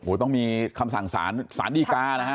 โหต้องมีคำสั่งสารสลายได้โทษ